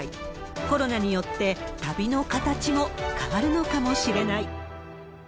コロナによって旅の形も変わるのかもしれない。